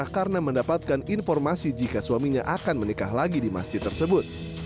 karena mendapatkan informasi jika suaminya akan menikah lagi di masjid tersebut